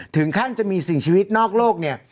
ถึงขั้นจะมีสิ่งชีวิตนอกโลกเนี่ย